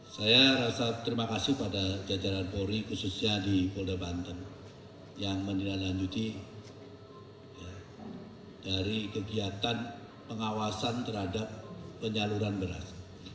saya rasa terima kasih pada jajaran polri khususnya di polda banten yang menindaklanjuti dari kegiatan pengawasan terhadap penyaluran beras